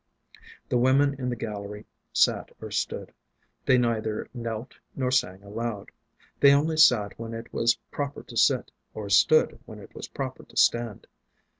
The women in the gallery sat or stood. They neither knelt nor sang aloud; they only sat when it was proper to sit, or stood when it was proper to stand.